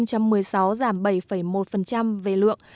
giảm bảy một về lượng